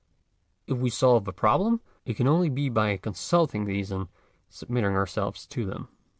If we solve the problem, it can only be by con sulting these and submitting ourselves to them.